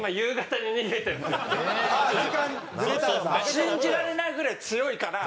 信じられないぐらい強いから。